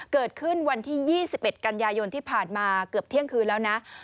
เกิดขึ้นวันที่๒๑กันยายนที่ผ่านมาเกือบเที่ยงคืนแล้วนะ